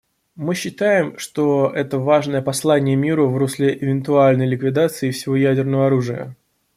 Мы считаем, что это важное послание миру в русле эвентуальной ликвидации всего ядерного оружия.